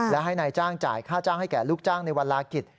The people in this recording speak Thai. และให้นายจ้างจ่ายค่าจ้างให้แก่ลูกจ้างในวันลากิจ